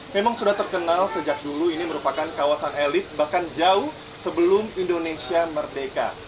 memang sudah terkenal sejak dulu ini merupakan kawasan elit bahkan jauh sebelum indonesia merdeka